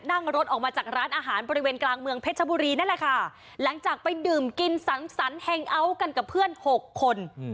นั่งรถออกมาจากร้านอาหารบริเวณกลางเมืองเพชรบุรีนั่นแหละค่ะหลังจากไปดื่มกินสังสรรคเฮงเอาท์กันกับเพื่อนหกคน